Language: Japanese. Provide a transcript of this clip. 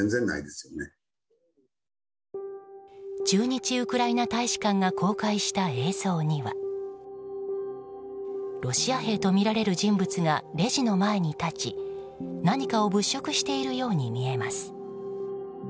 駐日ウクライナ大使館が公開した映像にはロシア兵とみられる人物がレジの前に立ち何かを物色しているように見えます。